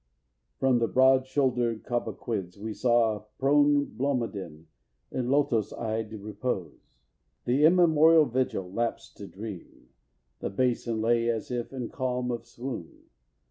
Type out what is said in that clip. From the broad shouldered Cobequids we saw Prone Blomidon in lotos eyed repose, The immemorial vigil lapst to dream. The Basin lay as if in calm of swoon.